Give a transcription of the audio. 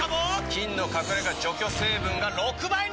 菌の隠れ家除去成分が６倍に！